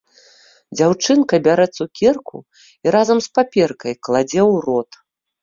Дзяўчынка бярэ цукерку і разам з паперкай кладзе ў рот.